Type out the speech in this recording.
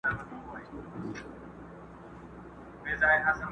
نور به د کابل دحُسن غله شړو.